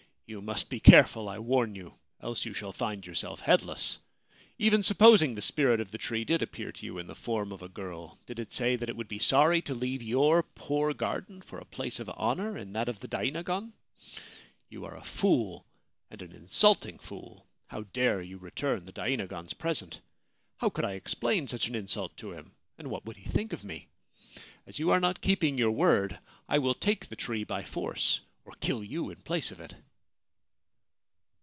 You must be careful, I warn you ; else you shall find yourself headless. Even supposing the spirit of the tree did appear to you in the form of a girl, did it say that it would be sorry to leave your poor garden for a place of honour in that of the dainagon ? You are a fool, and an insulting fool — how dare you return the dainagon's present ? How could I explain such an insult to him, and what would he think of me ? As you are not keeping your word, I will take the tree by force, or kill you in place of it.'